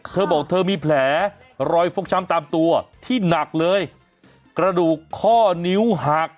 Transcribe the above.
เธอบอกเธอมีแผลรอยฟกช้ำตามตัวที่หนักเลยกระดูกข้อนิ้วหัก